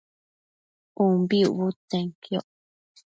ubi ucbudtsenquioc